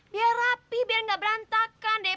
biar rapi biar nggak berantakan deh